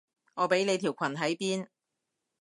我畀你條裙喺邊？